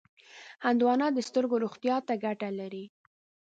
هندوانه د سترګو روغتیا ته ګټه لري.